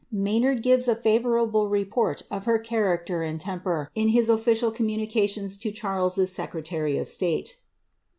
Maynard gives a favourable report of her character and temper in his official communications to Charles's secretary of state.